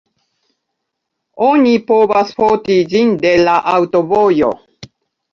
Oni povas foti ĝin de la aŭtovojo.